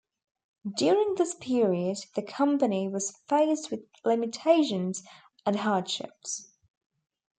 During this period the company was faced with limitations and hardships.